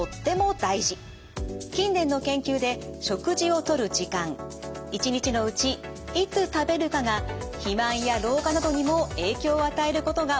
近年の研究で食事をとる時間一日のうちいつ食べるかが肥満や老化などにも影響を与えることが分かってきました。